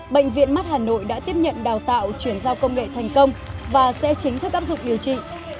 bệnh viện mắt hà nội đã tiếp nhận đào tạo chuyển giao công nghệ thành công và sẽ chính thức áp dụng điều trị